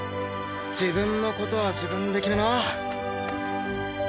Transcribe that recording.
自分のことは自分で決めな。